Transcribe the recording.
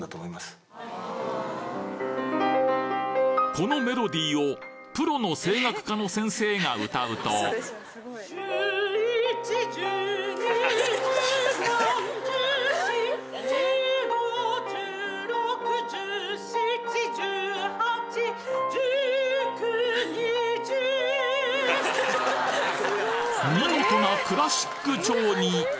このメロディーをプロの声楽科の先生が歌うと見事なクラシック調に！